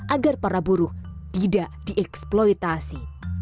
agar para buruh tidak dieksploitasi